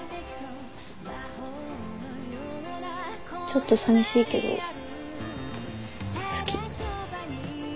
ちょっとさみしいけど好き。